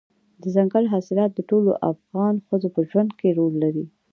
دځنګل حاصلات د ټولو افغان ښځو په ژوند کې رول لري.